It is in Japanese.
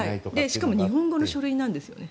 しかも日本語の書類なんですよね。